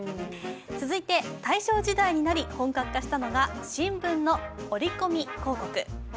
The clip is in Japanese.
続いて、大正時代になり本格化したのが新聞の折り込み広告。